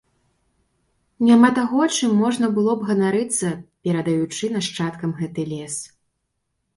Няма таго, чым можна было б ганарыцца, перадаючы нашчадкам гэты лес.